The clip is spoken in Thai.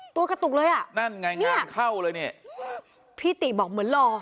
กระตุกเลยอ่ะนั่นไงงานเข้าเลยเนี่ยพี่ติบอกเหมือนรอ